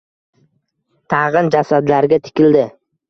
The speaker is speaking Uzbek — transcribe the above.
Tag‘in jasadlarga tikildi.